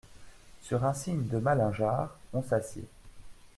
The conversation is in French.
Sur un signe de Malingear, on s’assied.